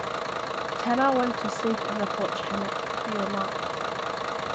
"Tana went to sleep in the porch hammock," he remarked.